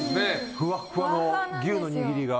ふわふわの牛のにぎりが。